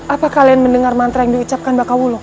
apa kalian mendengar mantra yang diucapkan baka wulung